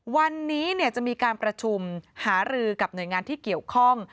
วันนี้จะมีการประชุมหารือกับหน่วยงานที่เกี่ยวข้อง